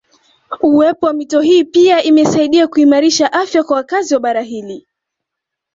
Uwepo wa mito hii pia imesaidia kuimarisha afya kwa wakazi wa bara hili